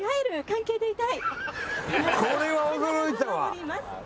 これは驚いたわ！